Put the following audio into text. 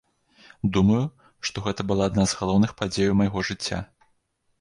Думаю, што гэта была адна з галоўных падзеяў майго жыцця.